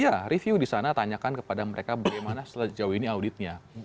ya review di sana tanyakan kepada mereka bagaimana setelah jauh ini auditnya